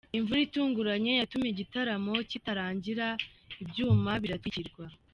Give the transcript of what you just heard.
Imvura itunguranye yatumye igitaramo kitarangira ibyuma biratwikirwa.